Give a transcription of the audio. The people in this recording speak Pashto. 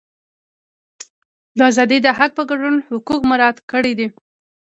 د ازادۍ د حق په ګډون حقوق مراعات کړي.